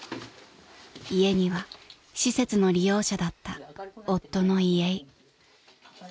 ［家には施設の利用者だった夫の遺影］